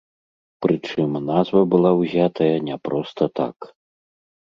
Прычым, назва была ўзятая не проста так.